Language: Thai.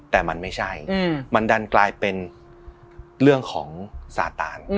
แต่มันไม่ใช่มันดันกลายเป็นเรื่องของสาตาน